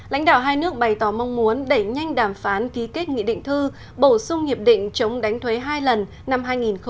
lãnh đạo hai nước bày tỏ mong muốn đẩy nhanh đàm phán ký kết nghị định thư bổ sung hiệp định chống đánh thuế hai lần năm hai nghìn một mươi năm